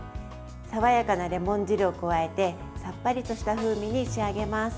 爽やかなレモン汁を加えてさっぱりとした風味に仕上げます。